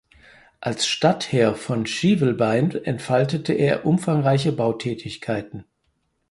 Als Stadtherr von Schivelbein entfaltete er umfangreiche Bautätigkeiten.